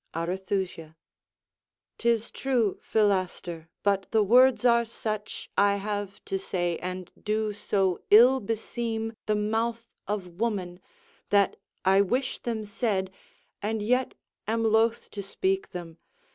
Arethusa 'Tis true, Philaster, but the words are such I have to say, and do so ill beseem The mouth of woman, that I wish them said, And yet am loath to speak them.